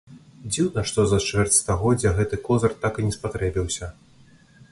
Дзіўна, што за чвэрць стагоддзя гэты козыр так і не спатрэбіўся.